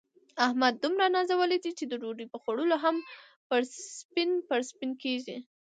احمد دومره نازولی دی، چې د ډوډۍ په خوړلو هم پړسپن پړسپن کېږي.